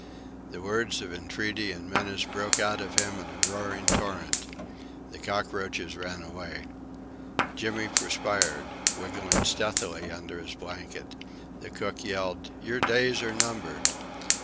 The words of entreaty and menace broke out of him in a roaring torrent. The cockroaches ran away. Jimmy perspired, wriggling stealthily under his blanket. The cook yelled.... "Your days are numbered!...